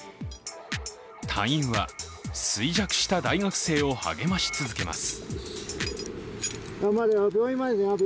隊員は衰弱した大学生を励まし続けます。